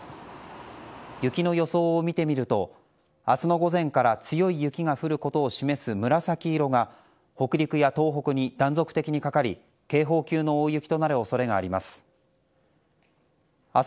雪の予想を見てみると明日の午前から強い雪が降ることを示す紫色が北陸や東北に断続的にかかり警報級の大雪となる恐れがあります。